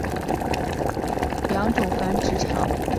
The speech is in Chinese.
良种繁育场是下辖的一个类似乡级单位。